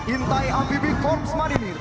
intai abb korps marinir